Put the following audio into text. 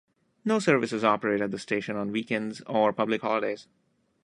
No services operate at the station on weekends or public holidays.